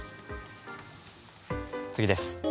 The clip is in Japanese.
次です。